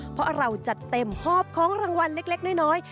เพราะเราจัดเต็มหอบของรางวัลเล็กน้อย